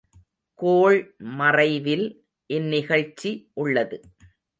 கோள்மறைவில் இந்நிகழ்ச்சி உள்ளது.